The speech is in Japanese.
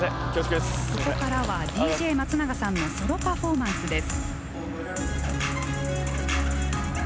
・ここからは ＤＪ 松永さんのソロパフォーマンスです・